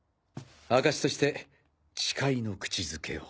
証しとして誓いの口づけを。